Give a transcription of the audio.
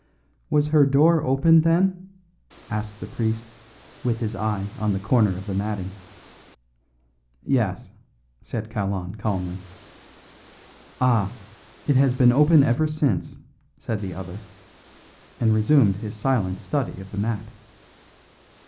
"Was her door open then?" asked the priest, with his eye on the corner of the matting. "Yes," said Kalon calmly. "Ah! it has been open ever since," said the other, and resumed his silent study of the mat.